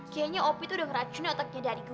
kayaknya opie tuh udah ngeracunin otaknya dari gue